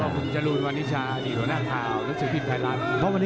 คุณปุชาลูนวันนี้ชาดีโดนหน้าทาวน์